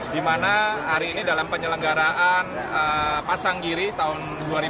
di mana hari ini dalam penyelenggaraan pasanggiri tahun dua ribu dua puluh tiga